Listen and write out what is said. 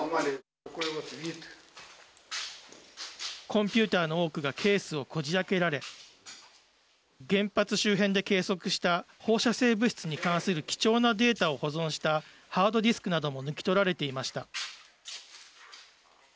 コンピューターの多くがケースをこじ開けられ原発周辺で計測した放射性物質に関する貴重なデータを保存したハードディスクなども抜き取られていました。